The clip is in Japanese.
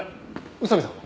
宇佐見さんは？